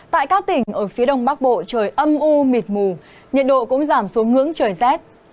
tại các tỉnh ở phía đông bắc bộ trời âm u mịt mù nhiệt độ cũng giảm xuống ngưỡng trời rét